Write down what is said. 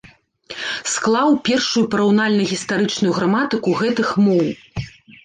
Склаў першую параўнальна-гістарычную граматыку гэтых моў.